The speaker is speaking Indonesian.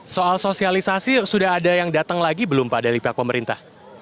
soal sosialisasi sudah ada yang datang lagi belum pak dari pihak pemerintah